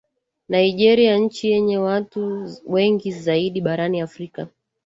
nigeria nchi yenye watu wengi zaidi barani afrika